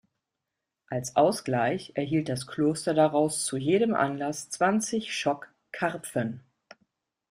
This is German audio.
Als Ausgleich erhielt das Kloster daraus zu jedem Anlass zwanzig Schock Karpfen.